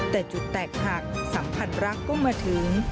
แต่จุดแตกหักสัมพันธ์รักก็มาถึง